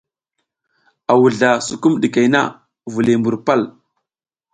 A wuzla sukum ɗikey na, viliy mbur pal.